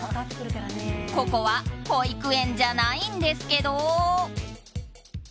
ここは保育園じゃないんですけど。